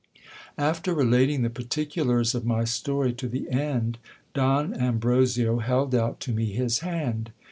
After relating the particulars of my story to the end, Don Ambrosio held out to me his hand.